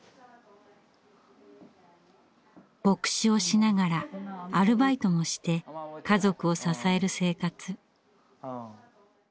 牧師をしながらアルバイトもして家族を支える生活。